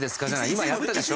今やったでしょ？